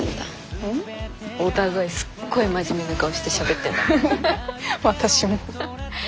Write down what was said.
お互いすっごい真面目な顔してしゃべってんだもん。